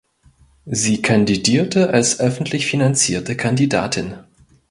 Sie kandidierte als öffentlich finanzierte Kandidatin.